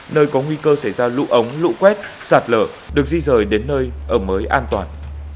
nơi có nguy cơ xảy ra lũ ống lũ quét sạt lở được di rời đến nơi ở mới an toàn